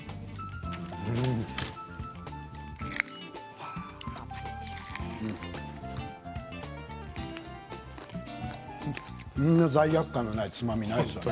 こんな罪悪感のないつまみはないですよね。